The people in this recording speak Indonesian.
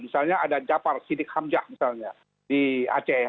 misalnya ada jafar siddiq hamzah misalnya di aceh